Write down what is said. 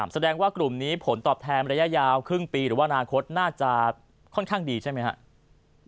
แสดงว่ากลุ่มนี้ผลตอบแทนระยะยาวครึ่งปีหรือว่าอนาคตน่าจะค่อนข้างดีใช่ไหมครับ